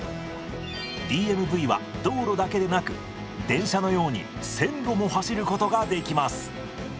ＤＭＶは道路だけでなく電車のように線路も走ることができます。